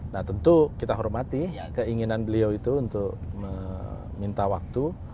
nah tentu kita hormati keinginan beliau itu untuk meminta waktu